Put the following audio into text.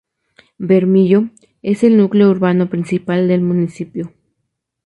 Bermillo es el núcleo urbano principal del municipio.